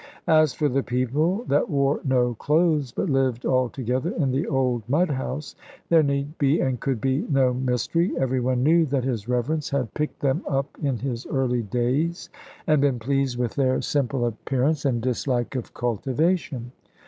As for the people that wore no clothes, but lived all together in the old mud house, there need be and could be no mystery. Every one knew that his Reverence had picked them up in his early days, and been pleased with their simple appearance and dislike of cultivation.